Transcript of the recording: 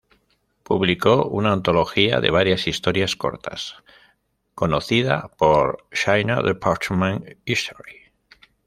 Publicó una antología de varias historias cortas, conocida por "Shiina Department Store".